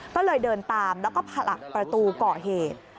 ก็เลยเดินตามแล้วก็ผลักประตูก่อเหตุ